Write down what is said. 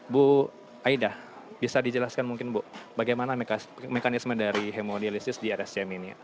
bu aida bisa dijelaskan mungkin bu bagaimana mekanisme dari hemodialisis di rsjm ini